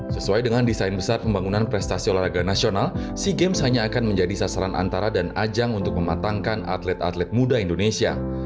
sesuai dengan desain besar pembangunan prestasi olahraga nasional sea games hanya akan menjadi sasaran antara dan ajang untuk mematangkan atlet atlet muda indonesia